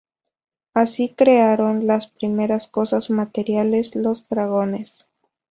Así crearon las primeras cosas materiales, los dragones.